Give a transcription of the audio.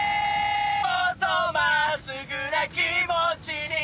もっとまっすぐな気持ちに